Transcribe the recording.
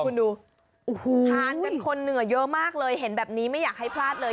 คุณดูโอ้โหทานกันคนเหนือเยอะมากเลยเห็นแบบนี้ไม่อยากให้พลาดเลย